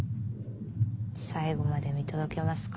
最後まで見届けますか？